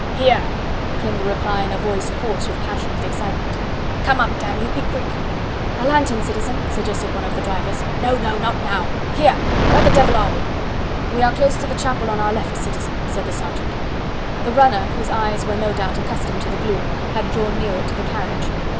"Here!" came the reply in a voice hoarse with passionate excitement. "Come up, damn you. Be quick!" "A lanthorn, citizen," suggested one of the drivers. "No no not now. Here! Where the devil are we?" "We are close to the chapel on our left, citizen," said the sergeant. The runner, whose eyes were no doubt accustomed to the gloom, had drawn nearer to the carriage.